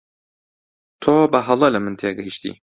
تۆ بەهەڵە لە من تێگەیشتی.